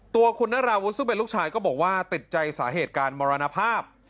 ตัวคุณนราวุฒิซึ่งเป็นลูกชายก็บอกว่าติดใจสาเหตุการมรณภาพ